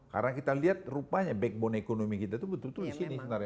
karena kita lihat rupanya backbone ekonomi kita itu betul betul di sini sebenarnya